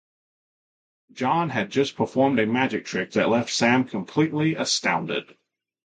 John had just performed a magic trick that left Sam completely astounded.